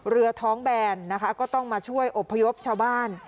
เรือท้องแบนนะคะก็ต้องมาช่วยอบพยพชาวบ้าน